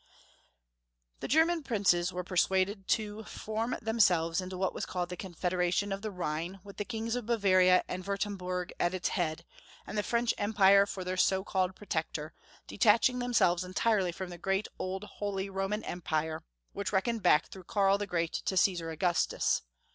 The German princes were persuaded to form themselves into what was called the Confederation of the Rhine, with the Kings of Bavaria and Wur temburg at its head, and the French Empire for their so called protector, detaching themselves en tirely from the great old Holy Roman Empire, which reckoned back through Karl the Great to Caesar Augustus.